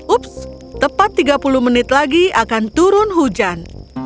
ups tepat tiga puluh menit lagi akan turun hujan